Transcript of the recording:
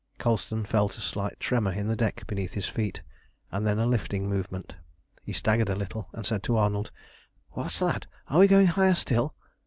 Colston felt a slight tremor in the deck beneath his feet, and then a lifting movement. He staggered a little, and said to Arnold "What's that? Are we going higher still?"